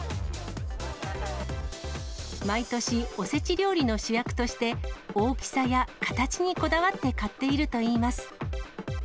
毎年、おせち料理の主役として、大きさや形にこだわって買っているといいます。